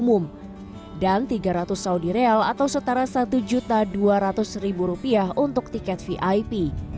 museum ini dibuka setiap hari mulai pukul dua siang hingga sebelas malam dengan harga tiket seratus saudi rial atau setara satu juta dua ratus ribu rupiah untuk tiket vip